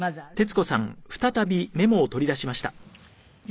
はい。